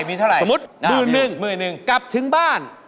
สมมติมือหนึ่งกลับถึงบ้าน